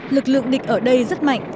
lực lượng địch ở đây rất mạnh